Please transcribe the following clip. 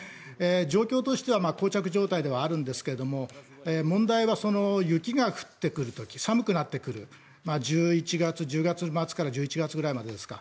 状況としてはこう着状態ではあるんですが問題は雪が降ってくる時寒くなってくる１０月末から１１月くらいまでですか。